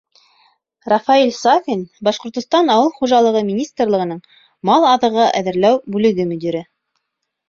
Рафаэль САФИН, Башҡортостан Ауыл хужалығы министрлығының мал аҙығы әҙерләү бүлеге мөдире: